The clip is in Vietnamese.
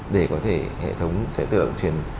để có thể hệ thống sẽ tự động truyền